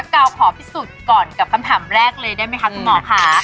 กาวขอพิสูจน์ก่อนกับคำถามแรกเลยได้ไหมคะคุณหมอค่ะ